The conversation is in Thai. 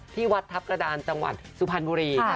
ที่วัดทัพกระดานจังหวัดสุพรรณบุรี